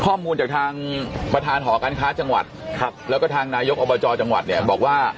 ข้อมูลจากทางประธานหอการคาจังหวัดและทางนายกอบจจังหวัดบอกว่า